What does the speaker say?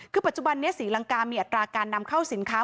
คือปัจจุบันนี้ศรีลังกามีอัตราการนำเข้าสินค้า